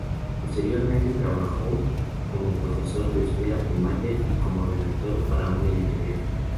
Posteriormente trabajó como profesor de escuela primaria y como redactor para una editorial.